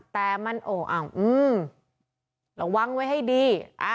แต่มันหวังไว้ให้ดี